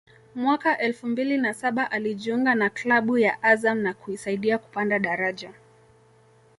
mwaka elfu mbili na saba alijiunga na klabu ya Azam na kuisaidia kupanda daraja